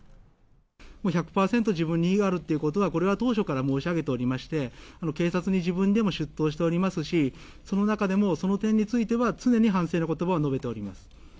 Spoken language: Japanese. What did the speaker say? もう１００％自分に非があるということは、これは当初から申し上げておりまして、警察に自分でも出頭しておりますし、その中でもその点については、常に反省のことばを述べております。